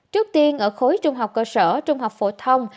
trước tiên ở khối trung học cơ sở trung học phổ thông